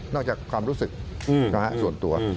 จากความรู้สึกส่วนตัว